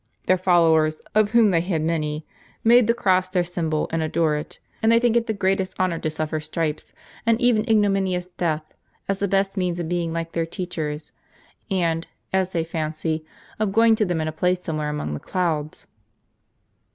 Their followers, of whom they had many, made the cross their * Gloves. "M ■^T® sjaiibol, and adore it; and they think it the greatest honor to suffer strij^es, and even ignominious death, as the best means of being like their teachers, and, as they fancy, of going to them in a place somewhere among the clouds."